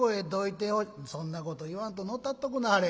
「そんなこと言わんと乗ったっとくなはれ。